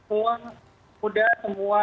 kecil atau sedikit itulah yang bisa